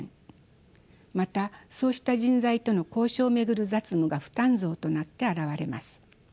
またそうした人材との交渉を巡る雑務が負担増となって表れます。